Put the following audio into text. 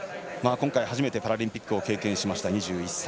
今回、初めてパラリンピックを経験した２１歳。